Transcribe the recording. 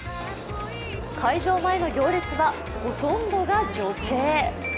会場前の行列はほとんどが女性。